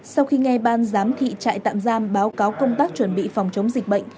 sau khi nghe ban giám thị trại tạm giam báo cáo công tác chuẩn bị phòng chống dịch bệnh